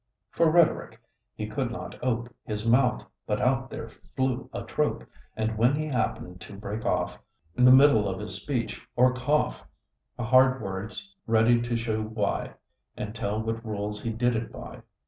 For Rhetoric, he could not ope His mouth, but out there flew a trope: And when he happen'd to break off I' th' middle of his speech, or cough, H' had hard words, ready to shew why And tell what rules he did it by.